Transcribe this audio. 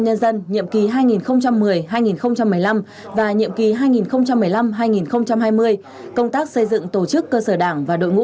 nhân dân nhiệm kỳ hai nghìn một mươi hai nghìn một mươi năm và nhiệm kỳ hai nghìn một mươi năm hai nghìn hai mươi công tác xây dựng tổ chức cơ sở đảng và đội ngũ